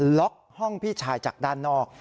ล็อกห้องพี่ชายจากด้านนอก